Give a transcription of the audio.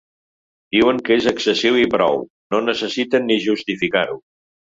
Diuen que és excessiu i prou, no necessiten ni justificar-ho.